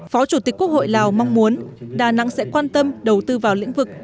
phó chủ tịch quốc hội lào mong muốn đà nẵng sẽ quan tâm đầu tư vào lĩnh vực